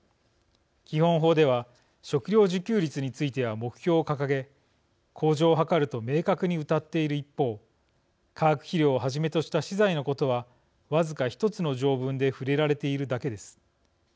基本法では食料自給率については目標を掲げ向上を図ると明確にうたっている一方化学肥料をはじめとした資材のことは僅か１つの条文で触れられているだけです。